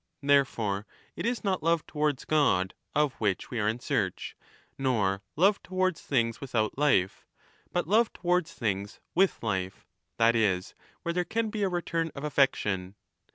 Therefore it is not love towards God of which we are in search, nor love towards things without life, but love towards 35 things with life, that is, where there can be a return of affection.